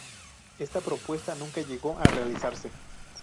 Esta propuesta nunca llegó a realizarse.